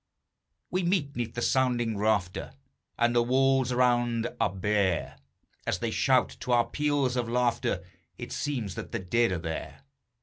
] We meet 'neath the sounding rafter, And the walls around are bare; As they shout to our peals of laughter, It seems that the dead are there.